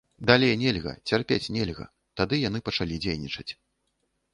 Далей нельга, цярпець нельга, тады яны пачалі дзейнічаць.